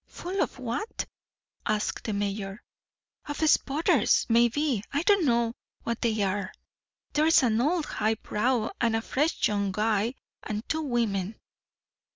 "Full of what?" asked the mayor. "Of spotters, maybe I don't know what they are. There's an old high brow and a fresh young guy, and two women."